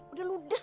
umi udah ludes